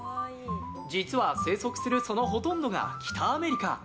実は、生息するそのほとんどが北アメリカ。